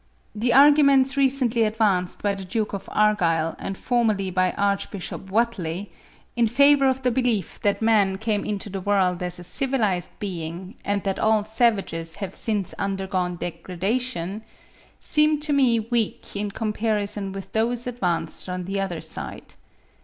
The arguments recently advanced by the Duke of Argyll (33. 'Primeval Man,' 1869.) and formerly by Archbishop Whately, in favour of the belief that man came into the world as a civilised being, and that all savages have since undergone degradation, seem to me weak in comparison with those advanced on the other side.